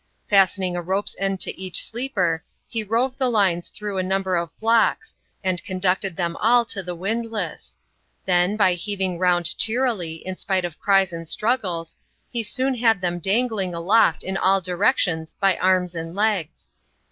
Fastening a rope's end to each sleeper, he rove the lines through a number of blocks, and conducted them all to tb« windlass ; then, by heaving round cheerily, in spite of cries and struggles, he soon had them dangling aloft in all directions by arms and legs.